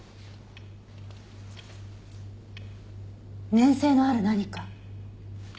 粘性のある何か。